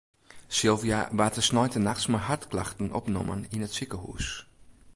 Sylvia waard de sneintenachts mei hartklachten opnommen yn it sikehûs.